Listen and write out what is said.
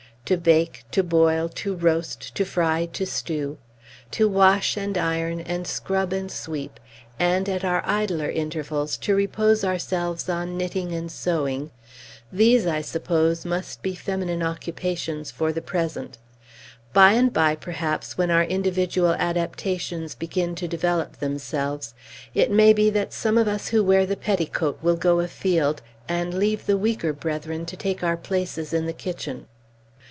To bake, to boil, to roast, to fry, to stew, to wash, and iron, and scrub, and sweep, and, at our idler intervals, to repose ourselves on knitting and sewing, these, I suppose, must be feminine occupations, for the present. By and by, perhaps, when our individual adaptations begin to develop themselves, it may be that some of us who wear the petticoat will go afield, and leave the weaker brethren to take our places in the kitchen."